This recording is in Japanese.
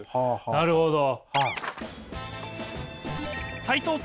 なるほど。